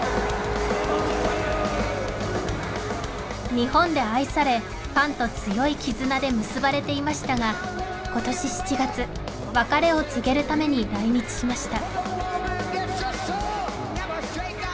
日本で愛されファンと強い絆で結ばれていましたが今年７月別れを告げるために来日しました